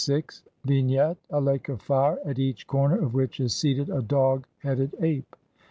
10,477, sheet 24).] Vignette : A lake of fire, at each corner of which is seated a dog headed ape.